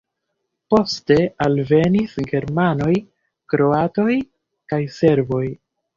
Poste alvenis germanoj, kroatoj kaj serboj.